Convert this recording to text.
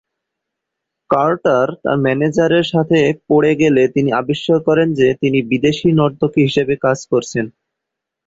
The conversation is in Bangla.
কার্টার তার ম্যানেজারের সাথে পড়ে গেলে তিনি আবিষ্কার করেন যে তিনি বিদেশী নর্তকী হিসেবে কাজ করছেন।